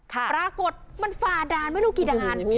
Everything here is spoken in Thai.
ปรากฏมันฝ่าด่านไม่รู้กี่ด่าน